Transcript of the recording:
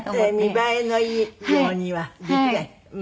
見栄えのいいようにはできない。